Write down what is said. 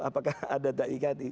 apakah ada da'i iqadi